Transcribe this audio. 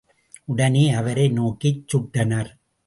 உடனே அவரை நோக்கிச் சுட்டனர்.